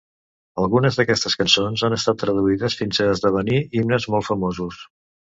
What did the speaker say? Algunes d'aquestes cançons han estat traduïdes fins a esdevenir himnes molt famosos.